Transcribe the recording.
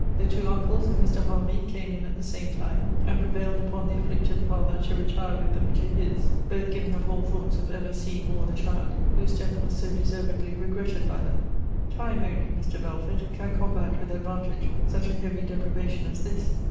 The two uncles, and Mr. Hervey, came in at the same time, and prevailed upon the afflicted father to retire with them to his both giving up all thoughts of ever seeing more the child whose death was so deservedly regretted by them. Time only, Mr. Belford, can combat with advantage such a heavy deprivation as this.